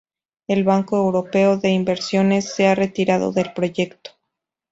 El Banco Europeo de Inversiones se ha retirado del proyecto.